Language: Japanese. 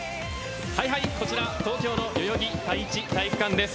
こちら東京の代々木第一体育館です。